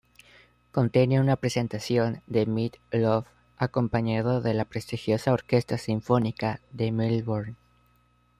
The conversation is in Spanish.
Contiene una presentación de Meat Loaf acompañado de la prestigiosa Orquesta Sinfónica de Melbourne.